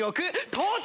到着！